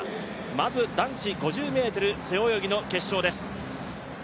まず男子５０ｍ背泳ぎの決勝です。